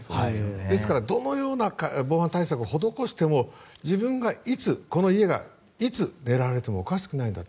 ですからどのような防犯対策を施しても自分が、この家がいつ狙われてもおかしくないんだと。